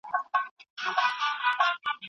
له دې برزخه